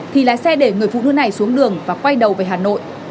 thì lái xe để người phụ nữ này xuống đường và quay đầu về hà nội